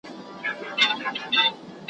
شاعرۍ ستا سره څهٔ، ستا له شاعرۍ سره څهٔ